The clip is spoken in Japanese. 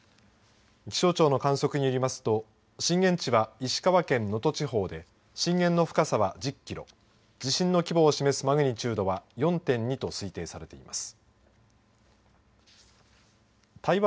気象庁の観測によりますと震源地は石川県能登地方で震源の深さは１０キロ地震の規模を示すマグニチュードは４．２と推定されています。